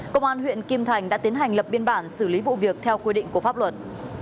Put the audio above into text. công an huyện kim thành đã tiến hành lập biên bản xử lý vụ việc theo quy định của pháp luật